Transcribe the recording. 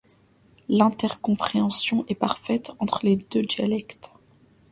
L’intercompréhension est parfaite entre les deux dialectes.